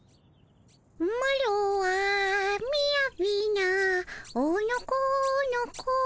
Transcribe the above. マロはみやびなおのこの子。